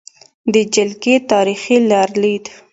د جلکې تاریخې لرلید: